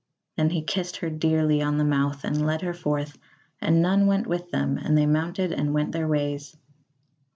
Then he kissed her dearly on the mouth and led her forth, and none went with them, and they mounted and went their ways.